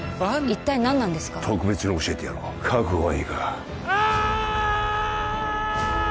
一体何なんですか特別に教えてやろう覚悟はいいかああ！